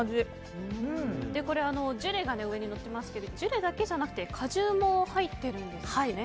ジュレが上にのってますけどジュレだけじゃなくて果汁も入ってるんですよね。